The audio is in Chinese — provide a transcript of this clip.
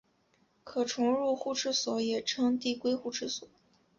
可重入互斥锁也称递归互斥锁。